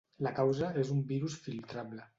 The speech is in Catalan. La causa és un virus filtrable.